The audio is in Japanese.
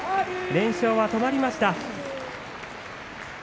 連勝は止まりました。